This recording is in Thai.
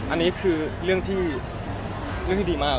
อันนี้คือเรื่องที่ดีมาก